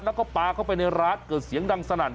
แล้วก็ปลาเข้าไปในร้านเกิดเสียงดังสนั่น